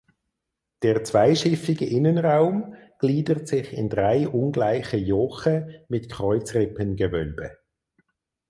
Der zweischiffige Innenraum gliedert sich in drei ungleiche Joche mit Kreuzrippengewölbe.